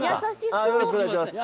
ああよろしくお願いします